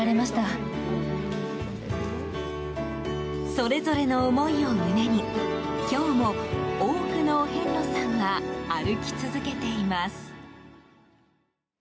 それぞれの思いを胸に今日も多くのお遍路さんは歩き続けています。